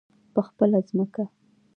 په خپله ځمکه.